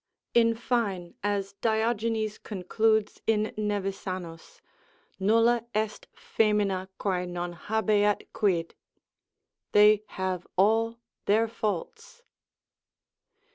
In fine, as Diogenes concludes in Nevisanus, Nulla est faemina quae non habeat quid: they have all their faults.